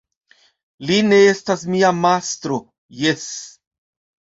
Li ne estas mia mastro, jes!